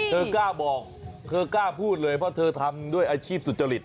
เธอกล้าบอกเธอกล้าพูดเลยเพราะเธอทำด้วยอาชีพสุจริต